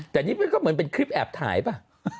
แต่นี่มันก็เหมือนเป็นคลิปแอบถ่ายป่ะ